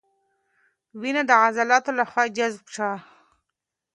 وینه د عضلاتو له خوا جذب شوه.